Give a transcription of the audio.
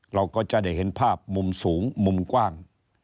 เราก็จะได้เห็นภาพมุมสูงมุมกว้าง